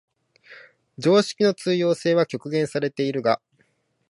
常識の通用性は局限されているが、